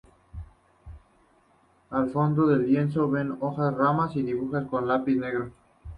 Al fondo del lienzo se ven hojas y ramas, dibujadas con lápiz negro.